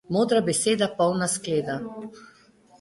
Modra beseda, polna skleda.